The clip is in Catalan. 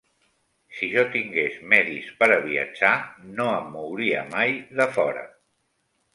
Si jo tingués medis pera viatjar, no em mouria mai de fora